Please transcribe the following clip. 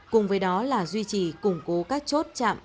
cùng với đó là duy trì củng cố các chốt chạm